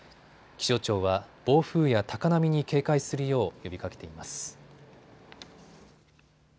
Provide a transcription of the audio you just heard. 気象庁は暴風や高波に警戒するよう呼びかけています。